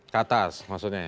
ke atas maksudnya